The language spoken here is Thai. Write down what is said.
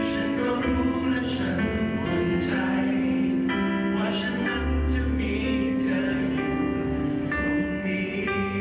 ฉันก็รู้และฉันมั่นใจว่าฉันหรับจะมีเธออยู่ตรงนี้